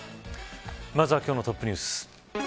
まずは今日のトップニュース。